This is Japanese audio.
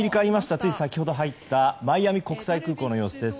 つい先ほど入ったマイアミ国際空港の様子です。